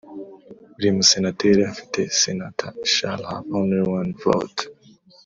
buri Musenateri afite Senator shall have only one vote